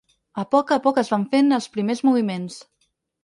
A poc a poc es van fent els primers moviments.